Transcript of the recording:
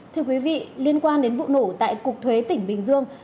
thưa quý vị liên quan đến vụ nổ tại cục thuế tỉnh bình dương